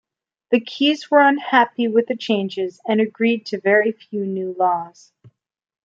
The Keys were unhappy with the changes, and agreed to very few new laws.